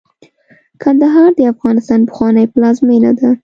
کندهار د افغانستان پخوانۍ پلازمېنه ده.